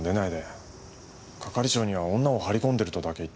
係長には女を張り込んでるとだけ言っておきましたけど。